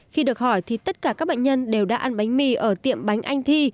khi được hỏi thì tất cả các bệnh nhân đều đã ăn bánh mì ở tiệm bánh anh thi